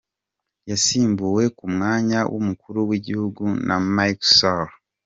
Yasimbuwe ku mwanya w’umukuru w’igihugu na Macky Sall.